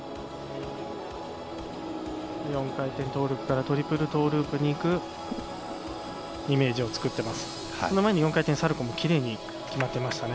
４回転トーループからトリプルトーループに行く、イメージを作っています。